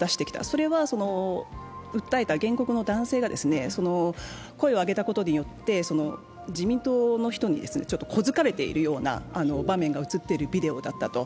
それは訴えた原告の男性が声を上げたことによって自民党の人にこづかれているような場面が映っているビデオだったと。